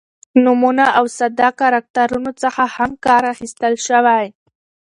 ،نمونه او ساده کرکترونو څخه هم کار اخستل شوى